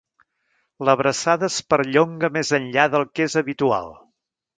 L'abraçada es perllonga més enllà del que és habitual.